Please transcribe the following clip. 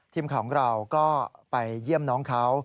ทีมข่าวของเราก็ไปเยี่ยมน้องเขา